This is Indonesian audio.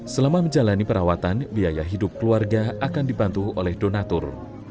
selama menjalani perawatan biaya hidup keluarga akan dibantu oleh donatur